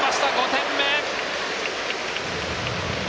５点目！